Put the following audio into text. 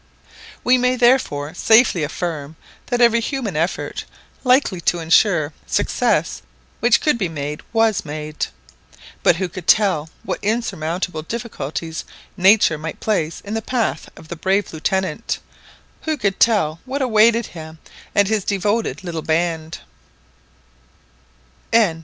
We may therefore safely affirm that every human effort likely to insure success which could be made was made; but who could tell what insurmountable difficulties nature might place in the path of the brave Lieutenant I who could tell what awaited him and his devoted little band.